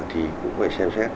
thì cũng phải xem xét